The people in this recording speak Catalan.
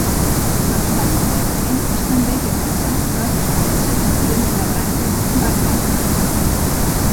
No obstant modernament es tendeix a pensar que els prínceps eren una branca bagràtida.